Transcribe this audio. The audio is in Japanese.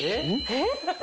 えっ？